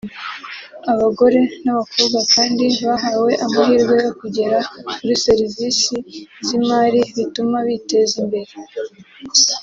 Abagore n’abakobwa kandi bahawe amahirwe yo kugera kuri serivisi z’imari bituma biteza imbere